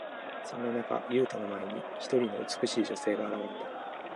そんな中、ユウタの前に、一人の美しい女性が現れた。